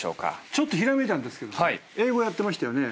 ちょっとひらめいたんですけど英語やってましたよね。